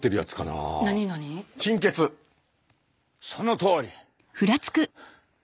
そのとおり貧血。